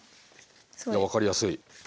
いや分かりやすい。